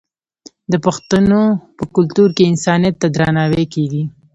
د پښتنو په کلتور کې انسانیت ته درناوی کیږي.